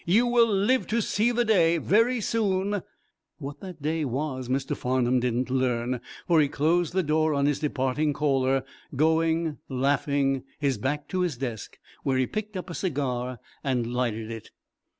"You will live to see the day, very soon " What that day was Mr. Farnum didn't learn, for he closed the door on his departing caller, going, laughing, back to his desk, where he picked up a cigar and lighted it.